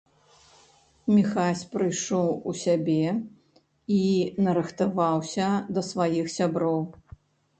Міхась прыйшоў у сябе і нарыхтаваўся да сваіх сяброў.